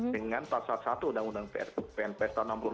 dengan pasal satu undang undang pnps tahun seribu sembilan ratus enam puluh